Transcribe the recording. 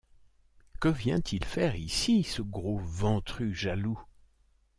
Que vient-il faire ici, ce gros ventru jaloux!